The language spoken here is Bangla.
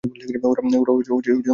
ওরা ভালো আছে।